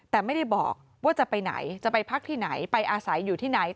แต่ไม่ได้บอกว่าจะไปไหนจะไปพักที่ไหนไปอาศัยอยู่ที่ไหน